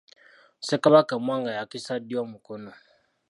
Ssekabaka Mwanga yakisa ddi omukono?